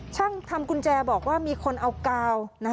ช่างทำกุญแจบอกว่ามีคนเอากาว